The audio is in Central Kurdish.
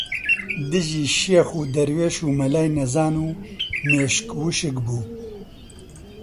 دژی شێخ و دەروێش و مەلای نەزان و مێشک وشک بوو